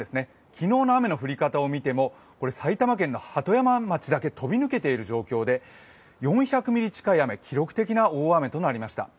昨日の雨の降り方を見ても、埼玉県の鳩山町だけ飛び抜けている状況で、４００ミリ近い雨記録的な大雨となりました。